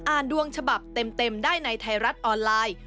ดวงฉบับเต็มได้ในไทยรัฐออนไลน์